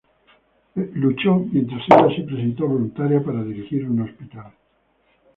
Él luchó, mientras ella se presentó voluntaria para dirigir un hospital.